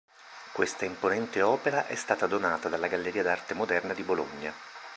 Questa imponente opera è stata donata alla Galleria d’arte moderna di Bologna.